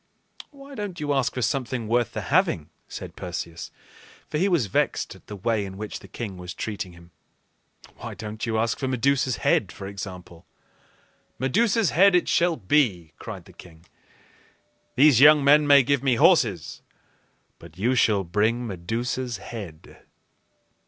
"Why don't you ask for something worth the having?" said Perseus; for he was vexed at the way in which the king was treating him. "Why don't you ask for Medusa's head, for example?" "Medusa's head it shall be!" cried the king. "These young men may give me horses, but you shall bring Medusa's head."